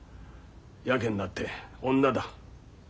ヤケになって女だ。